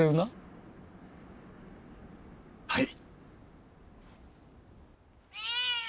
はい。